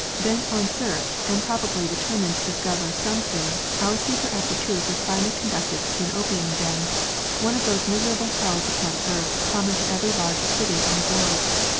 Bent on search, and pro OPIUM SMOKING. "3 bably determined to discover something, our seeker after truth is finally conducted to an opium den, one of those miserable hells upon earth common to every large city on the globe.